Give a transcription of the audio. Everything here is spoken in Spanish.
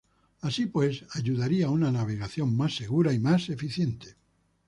Así pues, ayudaría a una navegación más segura y más eficiente.